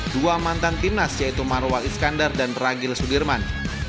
dua mantan timnas yaitu marwal iskandar dan ragil sudirman